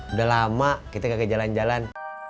udah lama kita gak kejalan jalan